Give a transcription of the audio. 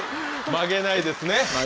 曲げないですね。